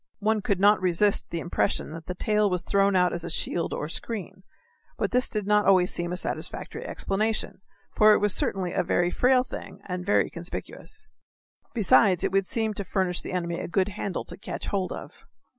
One could not resist the impression that the tail was thrown out as a shield or a screen, but this did not always seem a satisfactory explanation, for it was certainly a very frail thing and very conspicuous. Besides, it would seem to furnish the enemy a good handle to catch hold of.